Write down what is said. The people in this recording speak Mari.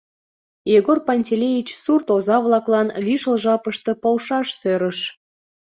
Егор Пантелеич сурт оза-влаклан лишыл жапыште полшаш сӧрыш.